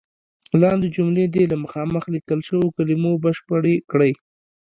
لاندې جملې دې له مخامخ لیکل شوو کلمو بشپړې کړئ.